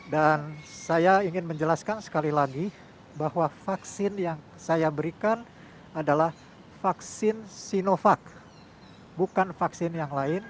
dan saya ingin menjelaskan sekali lagi bahwa vaksin yang saya berikan adalah vaksin sinovac bukan vaksin yang lain